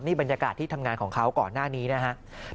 บรรยากาศที่ทำงานของเขาก่อนหน้านี้นะครับ